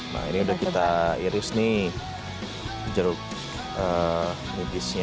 nah ini udah kita iris nih jeruk nipisnya